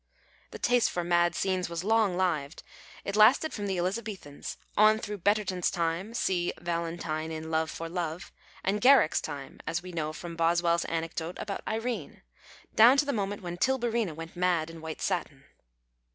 (The taste for mad scenes was long lived ; it lasted from the Elizabethans, on through Betterton's time — see Valentine in Love for Love — and Garrick's time, as we know from Bos well's anecdote about Irene, down to the moment when Tilburina went mad in white satin.)